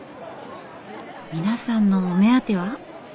皆さんのお目当ては？